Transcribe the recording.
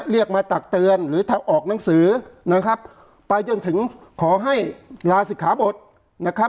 เรียกมาตักเตือนหรือทำออกหนังสือนะครับไปจนถึงขอให้ลาศิกขาบทนะครับ